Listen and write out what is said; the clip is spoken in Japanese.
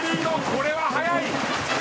これは速い！